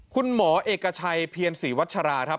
คุณหมอเอกชัยเพียรศรีวัชราครับ